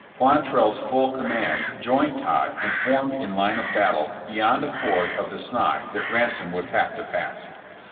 Quantrell 's full command joined Todd and formed in line of battle beyond a ford of the Sni that Ransom would have to pass.